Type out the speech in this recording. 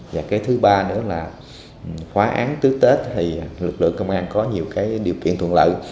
và cái thứ ba nữa là khóa án trước tết thì lực lượng công an có nhiều điều kiện thuận lợi